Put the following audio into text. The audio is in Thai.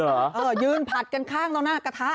เออยืนผัดกันข้างตรงหน้ากระทะ